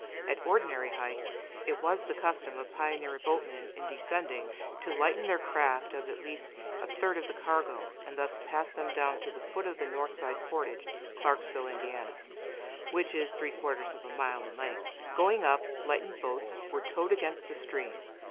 At ordinary height, it was the custom of pioneer boatmen, in descending, to lighten their craft of at least a third of the cargo, and thus pass them down to the foot of the north side portage (Clarksville, Ind.), which is three quarters of a mile in length; going up, lightened boats were towed against the stream.